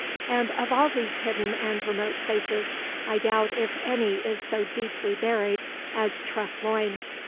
And of all these hidden and remote places, I doubt if any is so deeply buried as Treff Loyne.